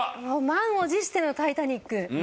満を持しての『タイタニック』。